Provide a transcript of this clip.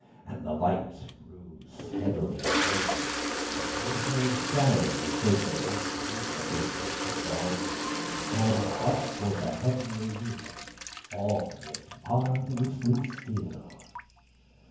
And the light grew steadily stronger, but no birds sang as they were wont to do at the approach of dawn; and but for the heavenly music all was marvellously still.